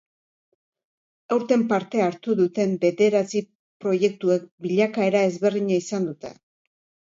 Aurten parte hartu duten bederatzi proiektuek bilakaera ezberdina izan dute.